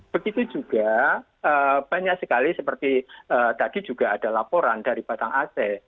begitu juga banyak sekali seperti tadi juga ada laporan dari batang ac